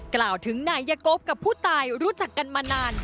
กล่าวถึงนายกบกับผู้ตายรู้จักกันมานาน